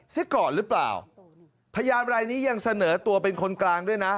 ซะก่อนหรือเปล่าพยานรายนี้ยังเสนอตัวเป็นคนกลางด้วยนะ